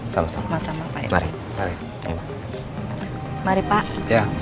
sama sama pak irvan